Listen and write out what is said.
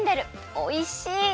おいしい！